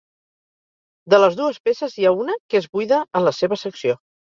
De les dues peces, hi ha una que és buida en la seva secció.